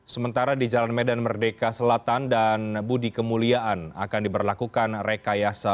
sementara di jalan medan merdeka selatan dan budi kemuliaan akan diberlakukan rekayasa